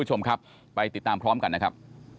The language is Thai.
คุณผู้ชมครับไปติดตามพร้อมกันนะครับ